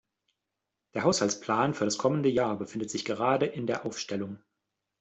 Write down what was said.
Der Haushaltsplan für das kommende Jahr befindet sich gerade in der Aufstellung.